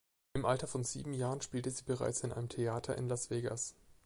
Im Alter von sieben Jahren spielte sie bereits in einem Theater in Las Vegas.